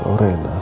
saya sudah kezaman